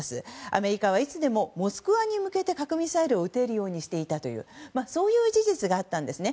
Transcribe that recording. アメリカはいつでもモスクワに向けて核ミサイルを撃てるようにしていたそういう事実があったんですね。